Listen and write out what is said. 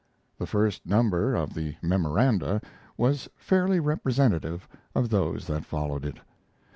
The first number of the "Memoranda" was fairly representative of those that followed it.